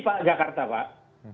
pak jakarta pak